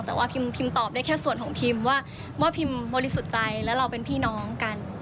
แต่ว่าพิมพิมตอบได้แค่ส่วนของพิมว่าพิมบริสุทธิ์ใจแล้วเราเป็นพี่น้องกัน